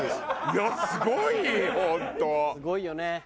すごいよね。